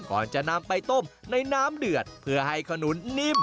ก่อนจะนำไปต้มในน้ำเดือดเพื่อให้ขนุนนิ่ม